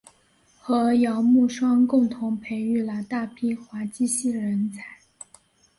和姚慕双共同培育了大批滑稽戏人才。